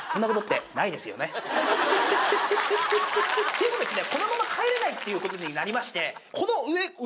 でもですね。